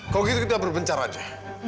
kalau gitu kita berpencar aja